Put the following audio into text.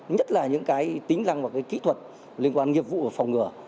nhất là những cái tính lăng và cái kỹ thuật liên quan nghiệp vụ và phòng ngược